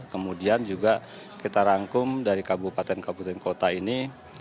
kemudian juga kita rangkum dari kabupaten kabupaten kota ini